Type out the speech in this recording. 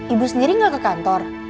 ibu sendiri nggak ke kantor